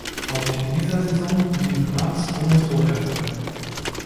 Auch in dieser Saison blieb Marx ohne Torerfolg.